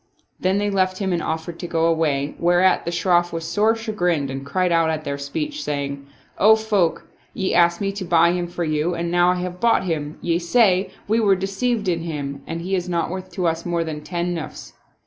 Then they left him and offered to go away, whereat the Shroff was sore chagrined and cried out at their speech, saying, " O folk, ye asked me to buy him for you and now I have bought him, ye say, we were deceived in him, and he is not worth to us more than ten nusfs."